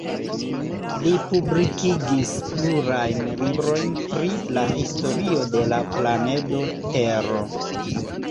Li publikigis plurajn librojn pri la historio de la planedo Tero.